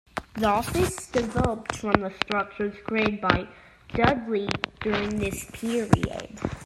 The Office developed from the structures created by Dudley during this period.